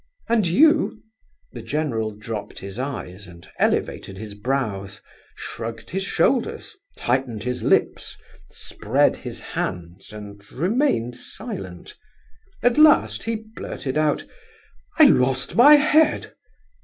"And you?" The general dropped his eyes, and elevated his brows; shrugged his shoulders, tightened his lips, spread his hands, and remained silent. At last he blurted out: "I lost my head!"